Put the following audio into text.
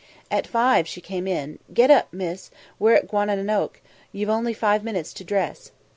At five she came in "Get up, miss, we're at Guananoque; you've only five minutes to dress."